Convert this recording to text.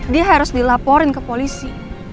dia harus dilaporin ke polisi